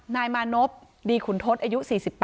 นายมานพดีขุนทศอายุ๔๘